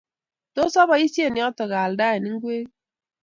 Tos apoisyen yoto aaldae ingwek ii?